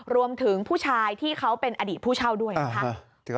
รวมถึงผู้ชายที่เขาเป็นอดีตผู้เช่าด้วยนะคะ